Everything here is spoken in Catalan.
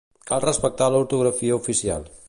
Cal respectar l'ortografia oficial.